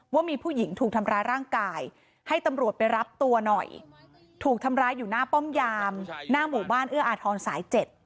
ว่ามีผู้หญิงถูกทำร้ายร่างกายให้ตำรวจไปรับตัวหน่อยถูกทำร้ายอยู่หน้าป้อมยามหน้าหมู่บ้านเอื้ออาทรสายเจ็ด